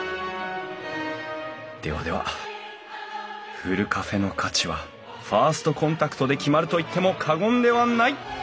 ではではふるカフェの価値はファーストコンタクトで決まると言っても過言ではない！